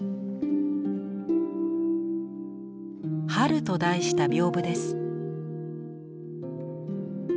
「春」と題した屏風です。